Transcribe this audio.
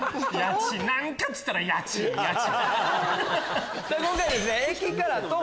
何かっつったら家賃家賃。